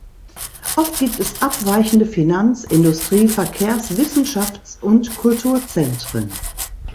Oft gibt es abweichende Finanz-, Industrie-, Verkehrs-, Wissenschafts- und Kulturzentren.